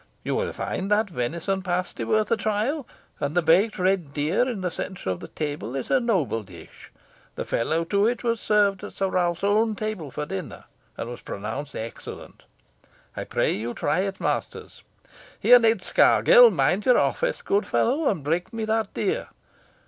You will find that venison pasty worth a trial, and the baked red deer in the centre of the table is a noble dish. The fellow to it was served at Sir Ralph's own table at dinner, and was pronounced excellent. I pray you try it, masters. Here, Ned Scargill, mind your office, good fellow, and break me that deer.